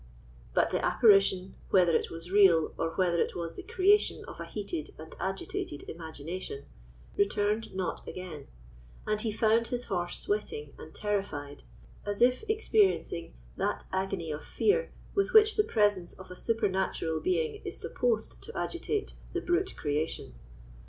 But the apparition, whether it was real or whether it was the creation of a heated and agitated imagination, returned not again; and he found his horse sweating and terrified, as if experiencing that agony of fear with which the presence of a supernatural being is supposed to agitate the brute creation.